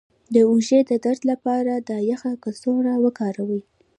د اوږې د درد لپاره د یخ کڅوړه وکاروئ